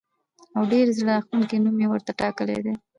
او ډېر زړه راښکونکی نوم یې ورته ټاکلی دی.